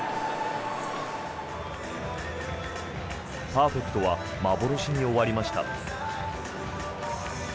パーフェクトは幻に終わりました。